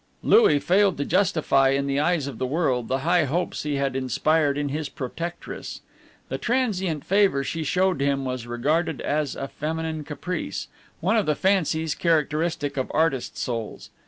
Louis failed to justify in the eyes of the world the high hopes he had inspired in his protectress. The transient favor she showed him was regarded as a feminine caprice, one of the fancies characteristic of artist souls.